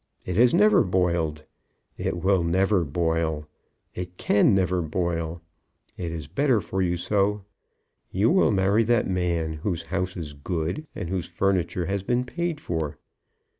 It has never boiled. It will never boil. It can never boil. It is better for you so. You will marry that man, whose house is good, and whose furniture has been paid for.